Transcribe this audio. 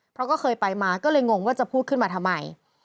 เพราะก็เคยไปมาก็เลยงงว่าจะพูดขึ้นมาทำไม